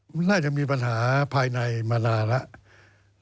มันน่าจะมีปัญหาภายในมานานแล้ว